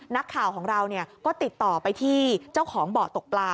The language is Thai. นักข่าวของเราก็ติดต่อไปที่เจ้าของเบาะตกปลา